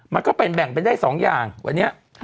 มันก็เป็นแบ่งเป็นได้๒อย่างวันนี้